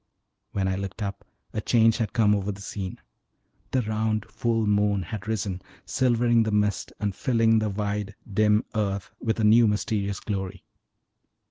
When I looked up a change had come over the scene: the round, full moon had risen, silvering the mist, and filling the wide, dim earth with a new mysterious glory.